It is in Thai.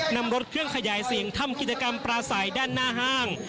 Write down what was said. นำรถเครื่องขยายเสียงทำกิจกรรมปลาใสด้านหน้าห้าง